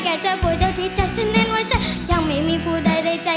แกจะพูดเดี๋ยวที่ใจฉะนั้นว่าฉันยังไม่มีผู้ใดใดใจ